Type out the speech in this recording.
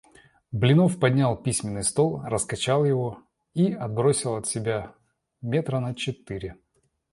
Блинов поднял письменный стол, раскачал его и отбросил от себя метра на четыре.